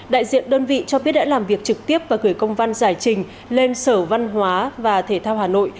đại diện đơn vị cho biết đã làm việc trực tiếp và gửi công văn giải trình lên sở văn hóa và thể thao hà nội